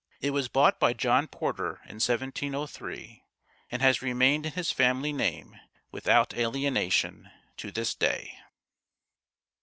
It was bought by John Porter in 1703, and has remained in his family name without alienation to this day.